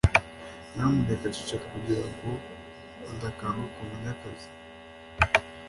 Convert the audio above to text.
Nyamuneka ceceka kugirango udakanguka Munyakazi